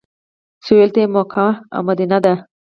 سویل ته یې مکه او مدینه ده.